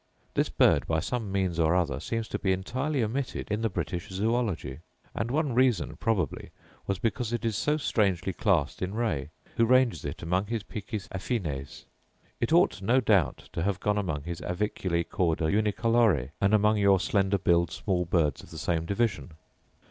This bird, by some means or other, seems to be entirely omitted in the British Zoology; and one reason probably was because it is so strangely classed in Ray, who ranges it among his picis affines. It ought no doubt to have gone among his aviculae cauda unicolore, and among your slender billed small birds of the same division.